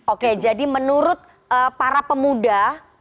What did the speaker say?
oke jadi menurut para pemuda